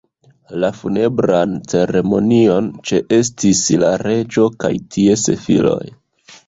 La funebran ceremonion ĉeestis la reĝo kaj ties filoj.